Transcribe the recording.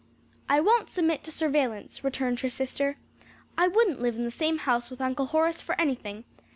"I won't submit to surveillance," returned her sister. "I wouldn't live in the same house with Uncle Horace for anything.